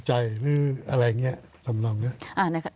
ใจหรืออะไรอย่างนี้